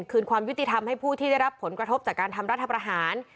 คืนความยุติธรรมให้ผู้ที่ได้รับผลกระทบจากการทำรัฐประหาร